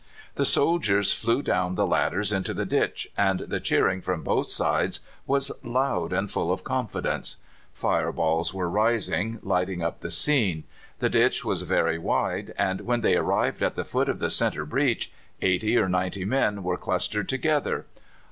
The soldiers flew down the ladders into the ditch, and the cheering from both sides was loud and full of confidence. Fire balls were rising, lighting up the scene. The ditch was very wide, and when they arrived at the foot of the centre breach eighty or ninety men were clustered together.